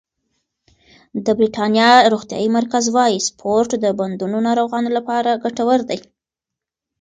د بریتانیا روغتیايي مرکز وايي سپورت د بندونو ناروغانو لپاره ګټور دی.